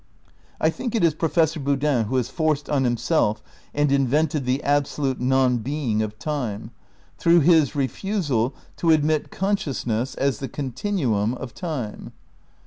I think it is Professor Boodin who has forced on him self and invented the absolute non being of time, through his refusal to admit consciousness as the con 158 THE NEW IDEALISM iv tinuum of time.